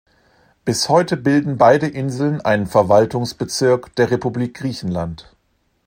Bis heute bilden beide Inseln einen Verwaltungsbezirk der Republik Griechenland.